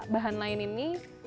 bahan lain ini